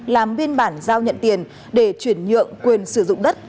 làm biên bản giao nhận tiền để chuyển nhượng quyền sử dụng đất